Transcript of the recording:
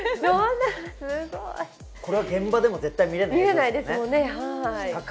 これは現場でも絶対見れないですね。